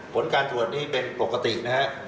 ผลการตรวจนี้เป็นปกตินะฮะ